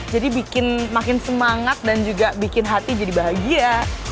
jadi bikin semangat dan juga bikin hati jadi bahagia